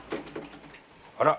あら！